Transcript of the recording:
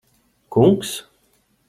Kungs?